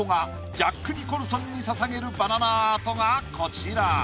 ジャック・ニコルソンにささげるバナナアートがこちら。